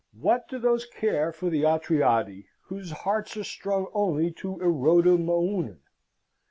What do those care for the Atridae whose hearts are strung only to erota mounon?